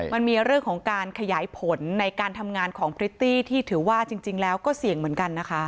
มันมีเรื่องของการขยายผลในการทำงานของพริตตี้ที่ถือว่าจริงแล้วก็เสี่ยงเหมือนกันนะคะ